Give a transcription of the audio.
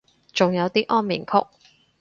仲有啲安眠曲